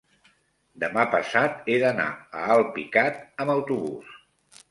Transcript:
demà passat he d'anar a Alpicat amb autobús.